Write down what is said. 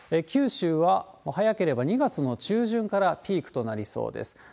九州はもう早ければ２月の中旬からピークとなりそうです。